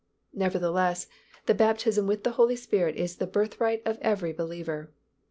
Nevertheless the baptism with the Holy Spirit is the birthright of every believer.